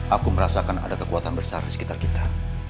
aku merasakan ada kekuatan besar di sekitar kita